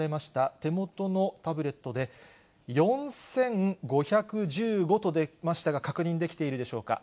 手元のタブレットで、４５１５と出ましたが、確認できているでしょうか。